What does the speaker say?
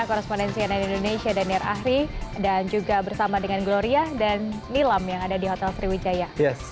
korespondensi nn indonesia daniel ahri dan juga bersama dengan gloria dan nilam yang ada di hotel sriwijaya